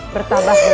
bertambah lebih baik